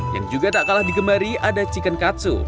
yang juga tak kalah digemari ada chicken katsu